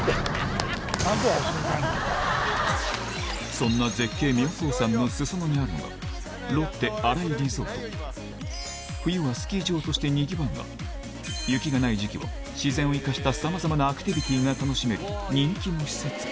そんな絶景妙高山の裾野にあるのは冬はスキー場としてにぎわうが雪がない時期は自然を生かしたさまざまなアクティビティが楽しめる人気の施設